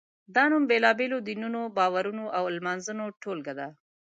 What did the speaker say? دا نوم بېلابېلو دینونو، باورونو او لمانځنو ټولګه ده.